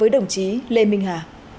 đồng chí lê minh hà